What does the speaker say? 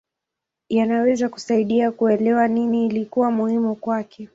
Yanaweza kusaidia kuelewa nini ilikuwa muhimu kwake.